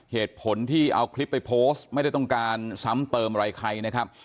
เหตุผลที่เอาคลิปไปโพสต์ไม่ได้ต้องการซ้ำเติมอะไรใครนะครับ